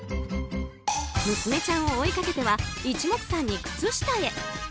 娘ちゃんを追いかけては一目散に靴下へ。